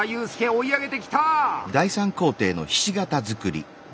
追い上げてきた！